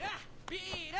ビール！